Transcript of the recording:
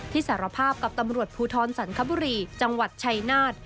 สารภาพกับตำรวจภูทรสันคบุรีจังหวัดชัยนาฏ